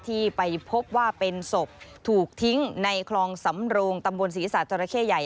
ที่ไปพบว่าเป็นศพถูกทิ้งในคลองสำโรงตำบลศรีษาจราเข้ใหญ่